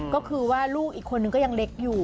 ก็คือว่าลูกอีกคนนึงก็ยังเล็กอยู่